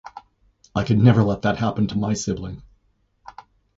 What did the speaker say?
I could never let that happen to my sibling.